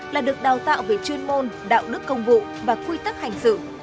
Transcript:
là được đào tạo về chuyên môn đạo đức công vụ và quy tắc hành xử